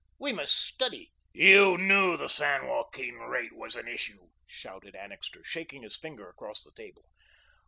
We must study " "You KNEW the San Joaquin rate was an issue," shouted Annixter, shaking his finger across the table.